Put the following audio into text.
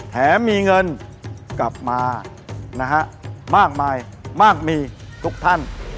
แถมมีเงินกลับมานะฮะมากมายมากมีทุกท่าน